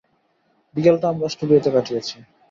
বিকেলটা আমরা স্টুডিওতে কাটিয়েছি।